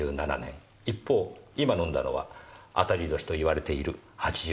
一方今飲んだのは当たり年といわれている８６年。